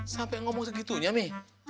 sampai ngomong segitunya mi